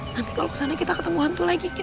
nanti kalo ke sana kita ketemu hantu lagi